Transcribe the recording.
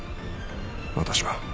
私は。